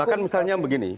bahkan misalnya yang begini